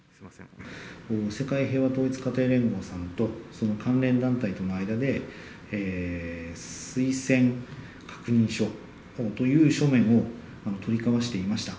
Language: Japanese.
世界平和統一家庭連合さんとその関連団体との間で、推薦確認書という書面を取り交わしていました。